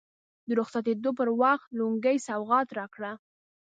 د رخصتېدو پر وخت لونګۍ سوغات راکړه.